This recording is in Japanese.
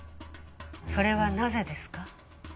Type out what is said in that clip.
それはなぜですか？